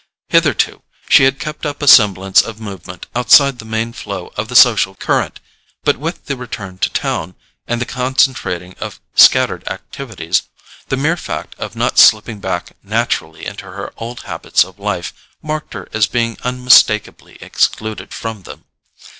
Hitherto, she had kept up a semblance of movement outside the main flow of the social current; but with the return to town, and the concentrating of scattered activities, the mere fact of not slipping back naturally into her old habits of life marked her as being unmistakably excluded from them.